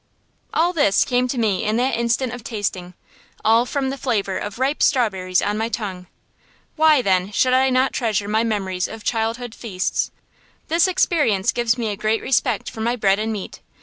All this came to me in that instant of tasting, all from the flavor of ripe strawberries on my tongue. Why, then, should I not treasure my memories of childhood feasts? This experience gives me a great respect for my bread and meat.